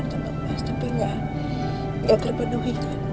dan sekarang saya sampai mas aku senang